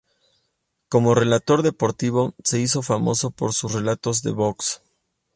Como relator deportivo, se hizo famoso por sus relatos de box.